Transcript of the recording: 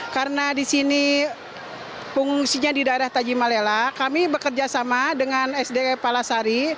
karena di sini fungsinya di daerah tajimalela kami bekerjasama dengan sd palasari